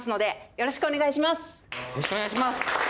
・よろしくお願いします。